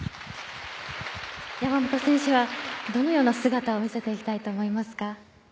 山本選手は、どのような姿を見せていきたいと思いますか？